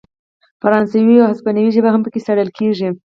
فرانسوي او هسپانوي ژبې هم پکې څیړل کیږي.